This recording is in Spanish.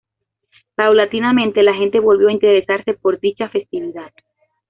Paulatinamente, la gente volvió a interesarse por dicha festividad.